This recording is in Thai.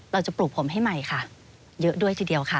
ปลูกผมให้ใหม่ค่ะเยอะด้วยทีเดียวค่ะ